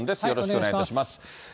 よろしくお願いします。